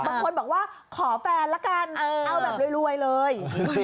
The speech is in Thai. บางคนบอกว่าขอแฟนละกันเอาแบบรวยเลย